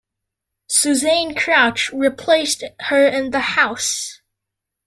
Suzanne Crouch replaced her in the House.